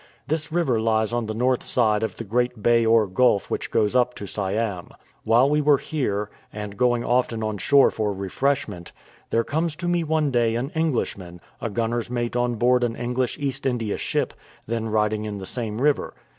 This river lies on the north side of the great bay or gulf which goes up to Siam. While we were here, and going often on shore for refreshment, there comes to me one day an Englishman, a gunner's mate on board an English East India ship, then riding in the same river.